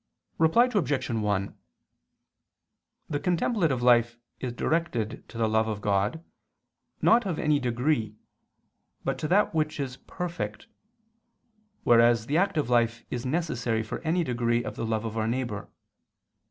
Reply Obj. 1: The contemplative life is directed to the love of God, not of any degree, but to that which is perfect; whereas the active life is necessary for any degree of the love of our neighbor.